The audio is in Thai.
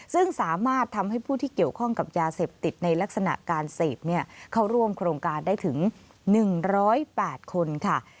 ซึ่งสามารถทำให้ผู้ที่เกี่ยวข้องกับยาเสพติดในลักษณะการเสพเข้าร่วมโครงการได้ถึง๑๐๘คนค่ะ